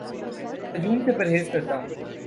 ہجوم سے پرہیز کرتا ہوں